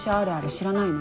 知らないの？